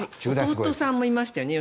弟さんもいましたよね。